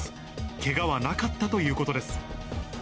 けがはなかったということです。